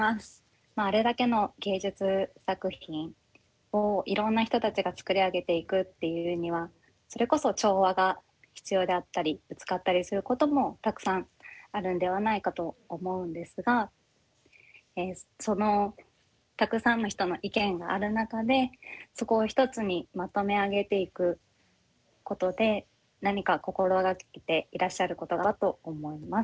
あれだけの芸術作品をいろんな人たちが作り上げていくっていうにはそれこそ調和が必要であったりぶつかったりすることもたくさんあるんではないかと思うんですがそのたくさんの人の意見がある中でそこを一つにまとめ上げていくことで何か心がけていらっしゃることだと思います。